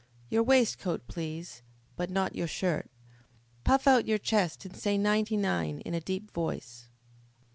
Your waistcoat, please, but not your shirt. Puff out your chest and say ninety nine in a deep voice."